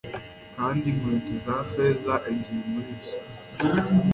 kandi inkweto za feza, ebyiri muri zo